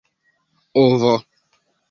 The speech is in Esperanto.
ovo